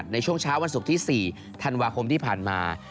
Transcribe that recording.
ในช่วงเช้าวันศุกร์ที่๔ธันวาคมที่ผ่านมา